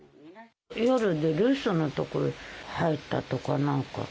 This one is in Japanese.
夜で留守のところに入ったとかなんか。